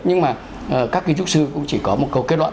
nhưng mà các kinh tức sư cũng chỉ có một câu kết luận